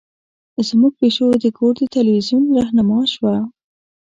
زمونږ پیشو د کور د تلویزیون رهنما شوه.